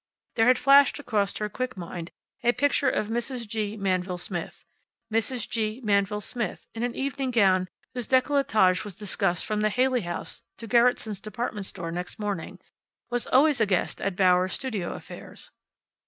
There had flashed across her quick mind a picture of Mrs. G. Manville Smith. Mrs. G. Manville Smith, in an evening gown whose decolletage was discussed from the Haley House to Gerretson's department store next morning, was always a guest at Bauer's studio affairs.